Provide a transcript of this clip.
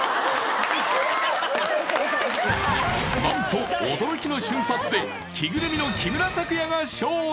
何と驚きの瞬殺で着ぐるみの木村拓哉が勝利！